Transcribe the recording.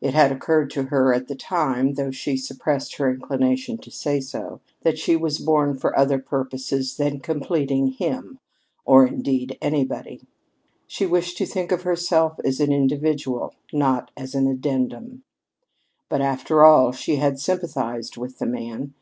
It had occurred to her at the time though she suppressed her inclination to say so that she was born for other purposes than completing him, or indeed anybody. She wished to think of herself as an individual, not as an addendum. But, after all, she had sympathized with the man.